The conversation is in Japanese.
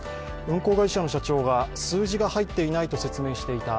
運航会社の社長が数字が入っていないと説明していた